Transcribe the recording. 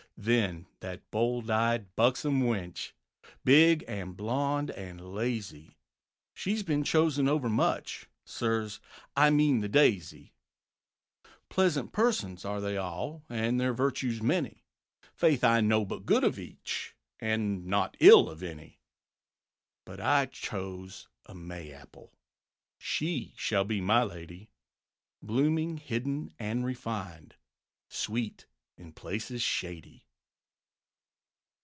Then that bold eyed, buxom wench, Big and blond and lazy, She's been chosen overmuch! Sirs, I mean the Daisy. Pleasant persons are they all, And their virtues many; Faith I know but good of each, And naught ill of any. But I choose a May apple; She shall be my Lady; Blooming, hidden and refined, Sweet in places shady."